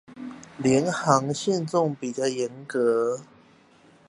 廉航限重比較嚴格